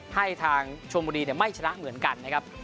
ให้ทางชมบุรีไม่ชนะเหมือนกันนะครับ